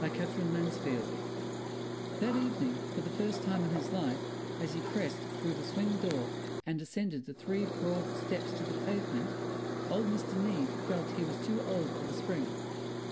what? An Ideal Family That evening for the first time in his life, as he pressed through the swing door and descended the three broad steps to the pavement, old Mr. Neave felt he was too old for the spring.